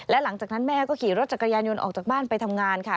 และหลังจากนั้นแม่ก็ขี่รถจักรยานยนต์ออกจากบ้านไปทำงานค่ะ